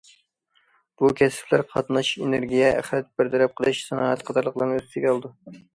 بۇ كەسىپلەر قاتناش، ئېنېرگىيە، ئەخلەت بىر تەرەپ قىلىش، سانائەت قاتارلىقلارنى ئۆز ئىچىگە ئالىدۇ.